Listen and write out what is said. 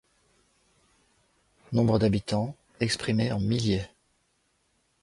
Nombre d'habitants exprimé en milliers.